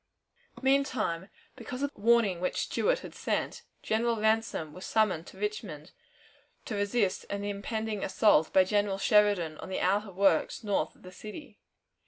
Meantime, because of the warning which Stuart had sent, General Ransom was summoned to Richmond to resist an impending assault by General Sheridan on the outer works north of the city.